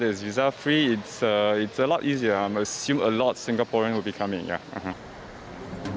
tapi sekarang ada visa bebas itu sangat mudah saya menganggap banyak orang singapura akan datang